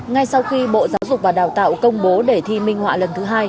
ngay sau khi bộ giáo dục và đào tạo công bố đề thi minh họa lần thứ hai